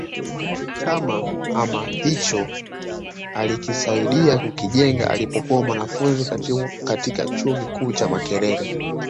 Chama ama hicho alikisaidia kukijenga alipokuwa mwanafunzi katika chuo kikuu cha Makerere